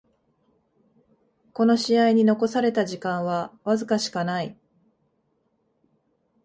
この試合に残された時間はわずかしかない